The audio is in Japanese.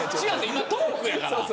今トークやから。